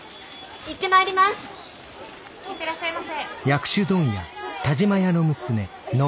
・行ってらっしゃいませ。